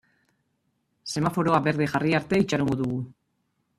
Semaforoa berde jarri arte itxarongo dugu.